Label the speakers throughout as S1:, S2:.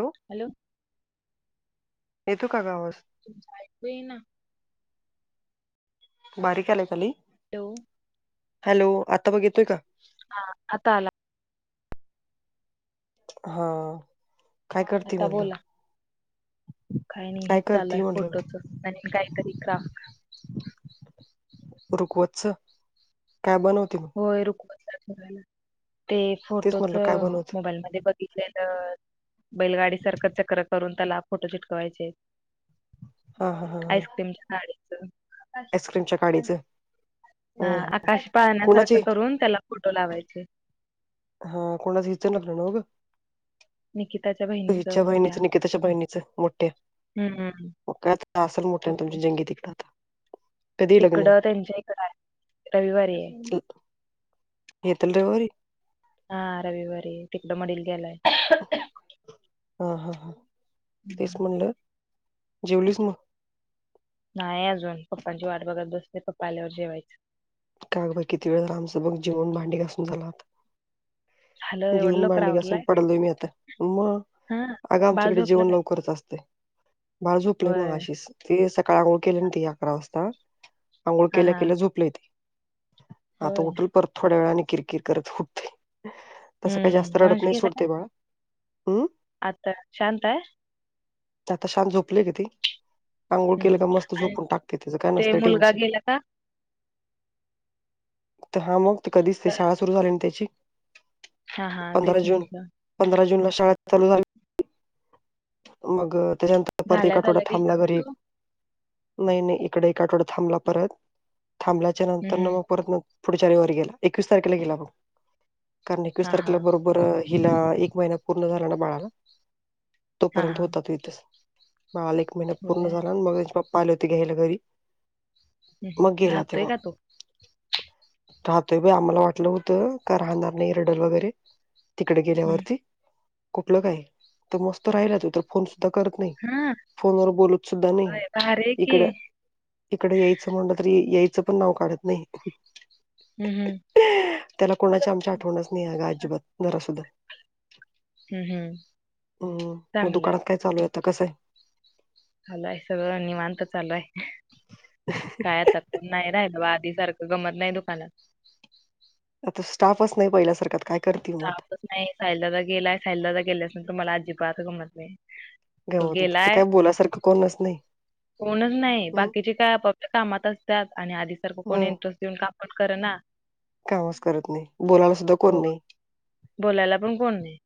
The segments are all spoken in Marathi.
S1: Hello
S2: hello.
S1: येतो का गावास
S2: तुम ऐक ये ना.
S1: बारीक आला ली.
S2: हॅलो
S1: हॅलो आत्ता बघितोय का?
S2: हा आता आला
S1: हा काय करते म्हणलं?
S2: काय नाही हे चाललंय
S1: करते म्हणलं
S2: फोटोच आणि काहीतरी क्राफ्ट
S1: रुकवतच काय बनवती?
S2: होय रुकवतात ठेवायला ते
S1: तेच
S2: फोटोच
S1: म्हणलं काय बनवते
S2: मोबाईल मध्ये बघ दिलेलं बैलगाडी सारखं चक्र करून त्याला फोटो चिटकवायचे
S1: हा हा हा हा
S2: आईस्क्रीमच्या काडीच
S1: आईस्क्रीमच्या गाडीचं
S2: हा
S1: ह
S2: आकाश पाळण्यात
S1: कोणाची
S2: म्हणून त्याला फोटो लावायचे
S1: हा कोंणाच हिचं लग्न नव्हना
S2: निकिताच्या बहिणीचं
S1: हिच्या
S2: मोठ्या
S1: बहिणीच निकिताच्या बहिणीच
S2: हम्म
S1: मोठ्या काय असल मोठं
S2: तिक-
S1: तुमची जंगी तिकडं आता कधी लग्न
S2: तिकडं त्यांच्या इकडं आहे रविवारी आहे
S1: येेताला रविवारी
S2: हा रविवारी तिकडं मडील गेलाय
S1: हा हा हा तेच म्हणलं जेवलीच मग?
S2: नाही अजून पप्पांची वाट बघत बसते पप्पा आल्यावर जेवायचं
S1: का ग बाई किती वेळ आमचं जिवून भांडी घासून झालात
S2: झालं एवढं
S1: जीवून
S2: लवकर
S1: भांडी घासून
S2: आवरलाय
S1: पडलोय मी आता मग
S2: हा
S1: अगं
S2: बाळ
S1: आमच्याकडे
S2: झोपलं
S1: जेवन
S2: काय
S1: लवकरच असते बाळ झोपले
S2: होय
S1: मगाशी ते सकाळी अंघोळ केले ना ते अकरा वाजता अंघोळ
S2: हा
S1: केल्या
S2: हा
S1: केलं झोपले ते आता
S2: होय
S1: उठलं परत थोड्या वेळाने किरकिर करत उठते तसं काही जास्त
S2: हम्म वंश
S1: रडत नाही
S2: गेला काय
S1: सोडते बाळा हम्म
S2: आता शांता
S1: आता शांत झोपलेय ग ते अंघोळ
S2: हम्म,
S1: केलं
S2: हम्म.
S1: का मस्त
S2: आणि
S1: झोपून टाकते त्याच काय
S2: ते
S1: नसतं
S2: मुलगा
S1: टेन्शन
S2: गेला का
S1: हा मग कधीच ते
S2: तर-
S1: शाळा सुरु झाली ना त्याची
S2: हा हा तेच म्हटलं
S1: पंधरा जून ला शाळ चालू झालं मग त्याच्यानंतर परत एक
S2: झाल्या
S1: आठवडा
S2: झाल्या गेला
S1: थांबला
S2: होय
S1: घरी एक
S2: तो
S1: नाही नाही इकडं एकाकडे थांबला परत थांबल्याच्या नंतर
S2: हम्म,
S1: न
S2: हम्म.
S1: मग परत पुढच्या रविवारी गेला एकवीस तारखेला गेला बघ कारण एकवीस
S2: हा हा
S1: तारखेला बरोबर हिला एक महिना पूर्ण झाला ना बाळाला
S2: हा
S1: तोपर्यंत
S2: हा
S1: होता तो इथेच बाळाला एक महिना
S2: होय
S1: पूर्ण झाला आणि मग त्याचे पप्पा आले होते घ्यायला घरी
S2: हम्म, हम्म.
S1: मग गेला
S2: राहतोय
S1: तेव्हा
S2: का तो
S1: राहतोय बाई आम्हाला वाटलं होतं का राहणार नाही रडल वगैरे तिकडे
S2: हम्म.
S1: गेल्यावरती कुठलं काही तर मस्त राहिला तत फोन सुद्धा करत नाही
S2: हा
S1: फोन वर बोलत सुद्धा नाही
S2: होय भारी आहे की
S1: इकड इकडे यायचं म्हटलं तरी यायचं पण नाव काढत नाही
S2: हम्म, हम्म.
S1: त्याला कोणाच्या आमच्या आठवणच नाही आहे ग अजिबात नरासुध
S2: हम्म हम्म
S1: मग
S2: चांगलं
S1: दुकानात काय चालू यता कसय
S2: लय सगळं निवांत चालूय कायता नाही राहिल बाबा आधी सारखं गमत नाही दुकानात
S1: आता स्टाफच नाही पहिल्यासारखं काय करतील मग आता
S2: स्टाफच नाही साहिलादा गेला साहिललादा गेल्यास नंतर मला अजिबात गमत नाही.
S1: ग
S2: तो
S1: तिथं
S2: गेलाय
S1: काय बोलासारखं कोणच नाही.
S2: कोणच नाही
S1: हं
S2: बाकीचे काय आपल्या कामात असतात आणि आधी सारखं कोणी
S1: हं
S2: इंटरेस्ट येऊन काम पण करना
S1: कामच करत नाही बोलायला सुद्धा
S2: हो
S1: कोण नाही.
S2: बोलायला पण कोण नाही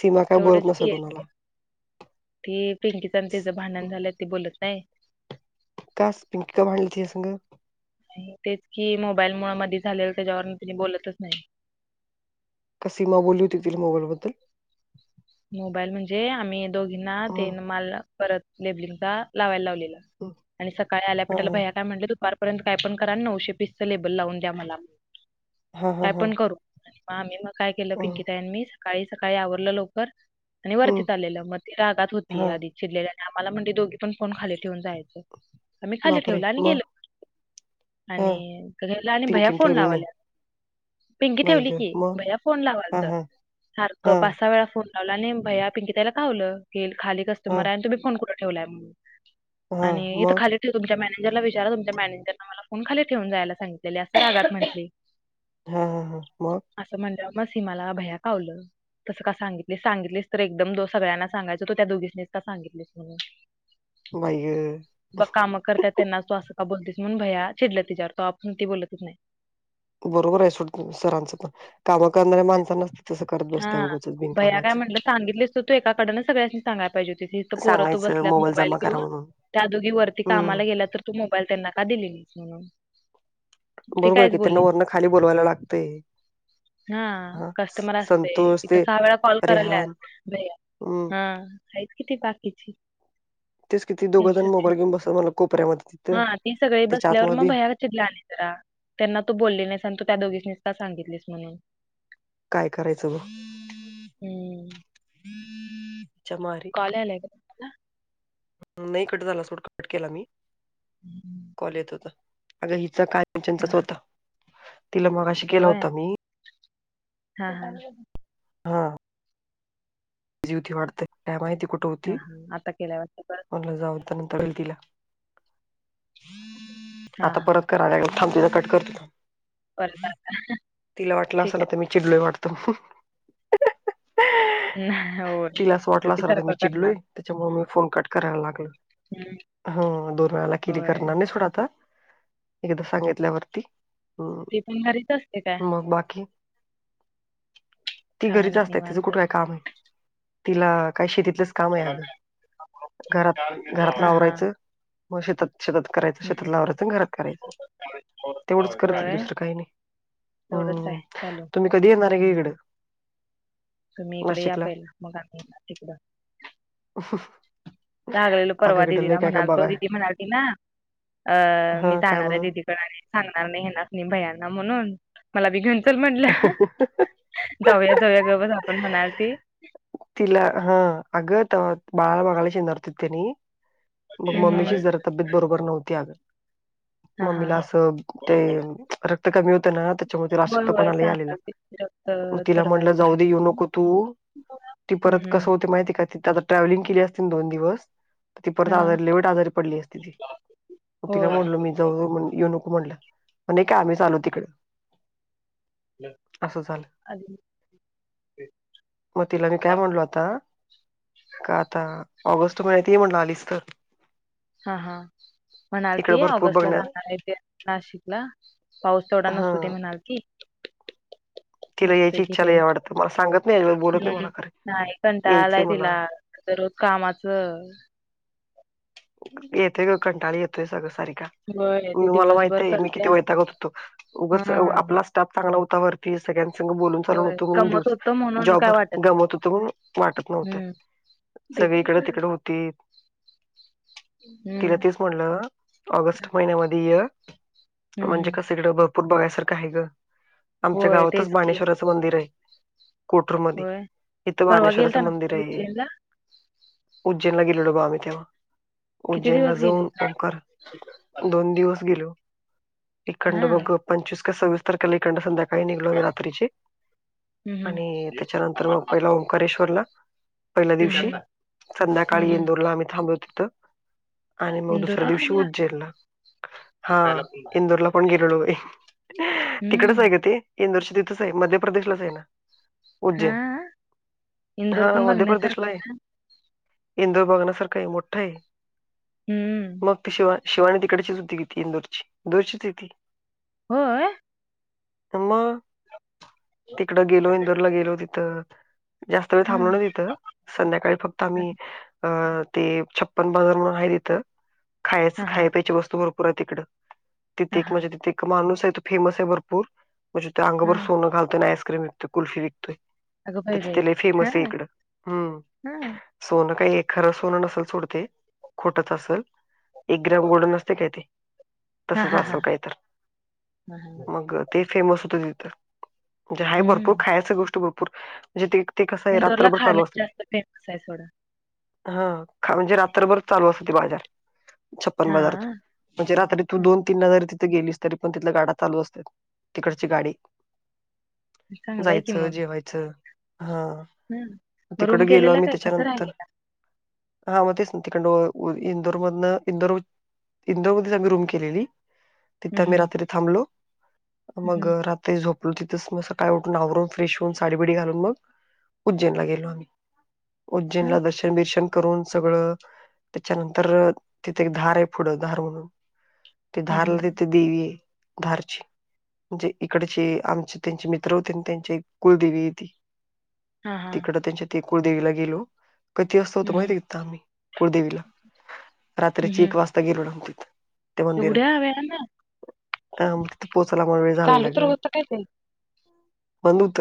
S1: सीमा काय बोलत
S2: तेवढेच
S1: नस
S2: की
S1: कोणाला
S2: ती पिंकीच आणि तिचं भांडण झालं त बोलत नाही.
S1: का पिंकिक भांडली त संग
S2: तेच कि मोबाईल मुळा मध झाले त्याच्यावरून तिनी बोलतच नाही
S1: का सीमा बोलली होती ति मोबाईलबद्दल
S2: मोबाईल म्हणजे आम्ही दोघींना ते
S1: हं
S2: माल परत लेबलिंगचा लावायला लावलेला
S1: हं
S2: आणि सकाळी
S1: हा
S2: आल्यापिटाला भया काय म्हटले दुपारपर्यंत काय पण करा नऊशे पीसचं लेबल लावून द्या मला
S1: हा हा
S2: काय
S1: हा
S2: पण करू मग आम्ही मग काय केलं
S1: हं
S2: पिंकिता यांनी सकाळी सकाळी आवरलं लवकर आणि
S1: हं
S2: वरतीत आलेलं मग ते रागात होती
S1: हा
S2: आधी चिरलेल्या आणि आम्हाला म्हणजे दोघी पण फोन खाली ठेवून जायचं आम्ही खाली
S1: बापरे
S2: ठेवलं आणि
S1: मग
S2: गेलो.
S1: हा
S2: आणि घरला आणि भया
S1: पिंकीने
S2: फोन
S1: ठेवली नाही
S2: लावाल्या पिंंगी
S1: बाई
S2: ठेवली
S1: ग
S2: की
S1: मग
S2: भैया फोन
S1: हा
S2: लावालचं
S1: हा
S2: सारखं
S1: हा
S2: पासा वेळा फोन ला नाही भैया पिंकीताला खावलं हे खाली
S1: हा
S2: कस्टमर आहे आणि तुम्ही कोण कुठं ठेवलाय म्हणून
S1: हा
S2: आणि इथ
S1: मग
S2: खाली त तुमच्या मॅनेजरला विचारा तुमच्या मॅनेजरने मला फोन खाली ठेवून जायला सांगितले असं रागात म्हटली.
S1: हा हा ह मग
S2: असं म्हणज म सीमाला भया कावलं तस का सांगितलं. सांगितलेच तर एकदमो सगळ्यांना सांगायच हो तो त्या दोघीसनीच का सांगितलेस म्हणून
S1: मग
S2: बग काम करतय त्यांना तू असं का बोलतेस म्हणून भया चिडलं तिच्यावर तो आपण ती बोलतच नाही.
S1: बरोबर आहे सोड सरांचं पण काम करणाऱ्या माणस नसत तसं करत बसत उगंच बिनकामाचं
S2: सांगितलेचत तो एकाकडं सगळ्यां सांगाय पाहिजे होतीस पोरं
S1: सांगायचं
S2: बसल्यात मोबाईल
S1: जमा करा
S2: घेऊन
S1: म्हणून
S2: त्या दोघी वरती कामाला
S1: हम्म
S2: गेल्या तर तू मोबाईल त्यांना का दिलेलीस म्हणून ती
S1: बरोबर आहे
S2: काहीच
S1: की त्यांना
S2: बोलली नाही
S1: वरणं खाली बोललावायला लागतंय
S2: हा कस्टमर असते.
S1: संतोष
S2: इथ
S1: ते
S2: सहा वेळा कॉल करा
S1: रेहान हम्म
S2: हा साहीज किती बाकीची
S1: तेच किती
S2: त्यां
S1: दोघं जण मोबाईल घेऊन बसत मला कोपऱ्यामध्ये तिथं
S2: हा ते सगळी
S1: त्याच्या
S2: बसल्यावर मग
S1: आतमध्ये
S2: भया ज त्यांना तू बोलले नाहीस आणि तू त्या दोघीनीस का सांगितलीस म्हणून
S1: काय करायचं
S2: हं.
S1: बच्याम [unintelligible]
S2: कॉलेला
S1: नाही कट झाला सूट कट केला मी कॉल येत होता. अग हिच
S2: हां,
S1: कायचच
S2: हां.
S1: होत. तिला मग
S2: होय हा हा
S1: ती वाढतेय काय माहिती कुठ
S2: हा हा आता केल्यावरता परत
S1: म जाऊ त्या नंतर वेळ तिला
S2: हां,
S1: आता
S2: हां.
S1: परत क थांबते त कट करतेता.
S2: ब [unintelligible]
S1: तिला वाटलं असाल तर मी चिडल वाटतो
S2: नाही हो
S1: तिला असं वाटलं असर तर मी चिडलोय त्याच्यामुळे मी फोन कट करायला लागलं
S2: हं.
S1: हम दोन वेळाला किती
S2: होय.
S1: करणार नाही थोडाता एकदा सांगितल्यावरती हम्
S2: ती पण घरीच असते काय?
S1: मग बाकी. ती
S2: काय
S1: घरीच
S2: नाही
S1: असतात तिच
S2: निवांत.
S1: कुठ काय काम आहे. तिला काय शेतीतलंच काम आहे
S2: हां,
S1: अग घरात घरातलं
S2: हां.
S1: आवरायचं मग शेतात शेतात करायचं
S2: हं.
S1: शेतात लावरायचं आणि घरात करायचं तेवढंच करते
S2: होय?
S1: दुसरं काही नाही.
S2: तेवढंच आहे
S1: हम्
S2: चालू.
S1: तुम्ही कधी येणार आहे इकडें
S2: हं. तुम्ही इकडे या पहिला मग आम्ही तिकडं
S1: [unintelligible]
S2: लागलेल
S1: अगं
S2: परवा
S1: इकडं लय
S2: दिदीला
S1: काय काय
S2: म्हणाल तो
S1: बघाय
S2: दिदी म्हणालती ना अ मी
S1: हा काय
S2: जाणार आहे
S1: म्हणून
S2: ददी सांगणार नाही ना म भयांना म्हणून मला बी घेऊन चल म्हटलं जाऊया जाऊया गवज आपण म्हणाती
S1: तिला हा अग त बाळाला बघायला नरत तेनी मग
S2: हम्म
S1: मम्मीची
S2: हम्म
S1: जरा तब्येत बरोबर नव्हती. अग
S2: हा हा
S1: मम्मीला असं ते रक्त कमी होतं. ना त्याच्यामुळे
S2: होय
S1: आशक्त
S2: होय
S1: पणाले आलेला
S2: [unintelligible]
S1: तिला म्हणलं
S2: चढवायचं
S1: जाऊ
S2: आहे
S1: दे येऊ नको तू ती
S2: हम्म
S1: परत
S2: हम्म
S1: कसं होते माहिती का ति आता ट्रॅव्हलिंग केली. असती दोन दिवस ती परत
S2: हा
S1: आजारी वेट आजारी पडली अस त ती मग तिला
S2: होय
S1: म्हडलो मी. जाण येऊ नको म्हणलं म्हण नाही काय आम्ही चालू तिकडं. असं झालं मग तिला मी काय म्हणलो आता. का आता ऑगस्ट महिन्यात ये म्हटला आलीस तर
S2: हा हा. म्हणाल
S1: इकडे
S2: ते
S1: भरपूर
S2: ऑगस्ट ला
S1: बघण्या
S2: जाणार आहे ते नाशिकला पाऊस तेवढा
S1: हा
S2: नसू दे म्हणाल. ख.
S1: तिला
S2: मस्त
S1: यायची
S2: क
S1: इच्छा
S2: फेम
S1: लय वाटतं मला सांगत नाही बोलत नाही मला खरं
S2: हम्म एकट आलय
S1: यायचंय मला
S2: तला दरोज कामाचं.
S1: येतोय ग कंटाळी येतोय सगळं सार का
S2: होय,
S1: म
S2: ते
S1: मला
S2: दिवसभर
S1: माहितय मी किती
S2: करत्या.
S1: वैतागत होतो उगच
S2: हा
S1: आपला- स्टाप चांगला होतावरती सगळ्या बोलून चाल
S2: होय
S1: नत म्हणून
S2: कमवत
S1: दिवस
S2: होतो म्हणून काय
S1: जॉबर
S2: वाटत नाही.
S1: गमवत होत म्हणून वाटत नव्हतं.
S2: हम्म ते
S1: सगळी इकडें तिकडे होती. तिला
S2: हम्म
S1: तेच म्हटलं ऑगस्ट महिन्यामध्ये
S2: हम्म
S1: म्हणजे
S2: हम्म
S1: कस तिकड भरपूर बघायसारखं आहे ग आमच्या
S2: होय
S1: गावातच
S2: तेच की
S1: बाणेश्वराचं मंदिर आहे. कोटर मध
S2: होय
S1: इथं
S2: परवा
S1: बानेणेश्वराचं
S2: गेलता ना
S1: मंदिर
S2: तुम्ही
S1: आहे.
S2: उज्जैनला
S1: उ्ैनला गेलो आमहीव्हा
S2: किती
S1: उज्जैनला
S2: दिवस गेले?
S1: जाऊन ओंकार
S2: हा
S1: दोन दिवस गेलो. इ कड
S2: हम्म
S1: बघू पंचवीस् का सविस्तर कलीखड संध्याकाळी निघलोग रात्रीचे.
S2: हम्म.
S1: आणि त्याच्यानंतर
S2: हम्म
S1: मग पहिला ओंकारेश्वरला. पहिल्या दिवशी
S2: हम्म
S1: संध्याकाळी
S2: हम्म
S1: इंदूरला आम्ही थांबलत तिथं. आणि मग दुसऱ्या
S2: इंदोरला
S1: दिवशी
S2: थांबला?
S1: उज्जैरला. हा इंदोरला पण गिरलो तिकडच आहे
S2: हम्म
S1: का ते. इंदोरश तिथंच आहे मध्य प्रदेशलाच आहे ना.
S2: हा
S1: उज्जैन
S2: इंदोर
S1: हा
S2: पण
S1: मध्य
S2: बघण्यासारख
S1: प्रदेशला आहे इंदूर बघण्यासारखंही मोठं आहे.
S2: हम्म
S1: मग ती शिवा शिवानी तिकडचीच सुद्तीी घेतती इंदोरची इंदोरचीच तिती.
S2: हो.
S1: तेम. तिकडं गेलो इंदोरला गेलो तिथं जास्त वेळ थांबलो ना
S2: हा
S1: तिथं. संध्याकाळी फक्त आम्ही अ ते छप्पन बाजार म्हणून आहे तिथं. खायच
S2: हा
S1: खाय पायची वस्तू भरपूर आहे तिकडं
S2: हा
S1: तिथे एक
S2: हा
S1: म्हणजे तिथे एक माणूस आहे त फेमस आहे भरपूर म्हणजे ते
S2: हा
S1: अंगभर सोनं घालतो आणि आईस्क्रीम विकतते कुल्फी विकतो.
S2: अगं बाई
S1: त्याच्या
S2: बाई
S1: तिले
S2: हा
S1: फेमस आहे
S2: हा
S1: इकडं हम्म. सोनं काही एखरं सोनं नसेल सोडते खोटत असेल. एक ग्रॅम गोडन असते काय ते
S2: हा
S1: तसच
S2: हा हा.
S1: असल काय तर
S2: महागात.
S1: मग ते फेमस होत तिथं म्हणजे आहे भरपूर
S2: हम्म
S1: खायच गोष्ट भरपूर म्हणजे ते ते कसं आहे
S2: इंदोरला
S1: रात्रभर चालू
S2: खाणं
S1: असत ते
S2: जास्त फेमस आहे सोडा
S1: हा खा म्हणजे रात्रभर चालू असत त बाजार छप्पन
S2: हा
S1: बाजार त म्हणजे रात्री तू
S2: हा.
S1: दोन तीन ह जरी तिथे गेलीस तरी पण तिथल्या गाडा चाल असात तिकडची गाडी
S2: चांगलं आहे की
S1: जायचं
S2: मग
S1: जेवायचं हा
S2: हं. मग
S1: तिकड
S2: रूम
S1: गेलो
S2: केलेला
S1: आम्ही
S2: काय कसं
S1: त्याच्यानंतर.
S2: राहिलेला
S1: हा मध्ये संधिक इंदोर मधून इंदोर इंदोरमध्येध्येच आम्ही रूम केलेली तिथं आम्ही
S2: हम्म
S1: रात्री थांबलो मग
S2: हम्म
S1: रात्री झोप तिथंच मग सकाळी उठून आवरून फ्रेश होऊन साडीबडी घालून मग उज्जैनला गेलो आम्ही
S2: हा
S1: उज्जैनला दर्शन बिर्शन करून सगळं त्याच्यानंतर तिथे एक धार आहे पुढं धार म्हणून. ते धारला
S2: हम्म
S1: तिथे देवी आहे धारची म्हणजे इकडचे- आमचे त्यांचे मित्र होते त्यांची कुलदेवी होती
S2: हा हा
S1: तिकड त्यांच्या ते कुळदेवीला गेलो. किती वाजता होतो
S2: हम्म
S1: माहिती तथ आम्ही कुळदेवीला रात्रीची एक
S2: हम्म
S1: वाजता गिरड तथ ते
S2: एवढ्या
S1: मंदिरात
S2: वेळानं
S1: अ तिथे पोहोचायला मला वेळ झाले ला ग.
S2: [unintelligible]
S1: बंद होत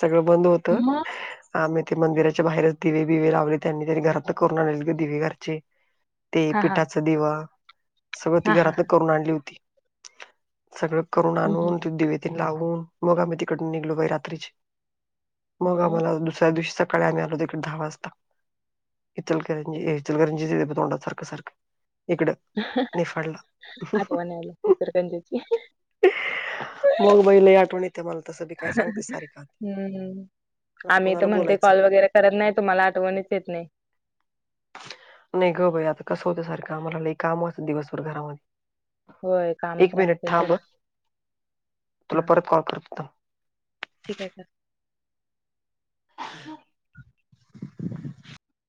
S1: सगळं बंद होत.
S2: मग
S1: आम्ही ते मंदिराच्या बाहेरच दिवे बिवे लावले त्यांनी त्यांनी घरात करून आले दिवे घरचे ते
S2: हा हा
S1: पिठाच दिवा सगळं ती
S2: हा हा
S1: घरातन करून आणली होती. सगळं करून
S2: हम्म.
S1: आणून ते दिवेत लावून मग आम्ही तिकड निघलो बा रात्रीचे मग
S2: होय
S1: आम्हाला दुसऱ्या दिवशी सकाळी आ् आलो तिकड दहा वाजता- इचलकरंजी इचलकरंजी तोंडा सारख सारखं. इकडं निफाळला.
S2: सिरकंजाची
S1: मग बैलाई आठवण येत मला तसं बी काय सांगते सारी का?
S2: हम्म हम. आम्ही तर म्हणते कॉल वगैरे करत नाही तुम्हाला आठवणीच येत नाही.
S1: [unintelligible] नाही ग भाई आता कसं होत सारखं आम्हाला ल काम वाचतं दिवसभर घरामध्ये
S2: होय काम
S1: एक मिनिट
S2: त्रासते
S1: थांब
S2: थोडा
S1: तुला परत कॉल करत.
S2: ठीक आहे स
S1: [unintelligible]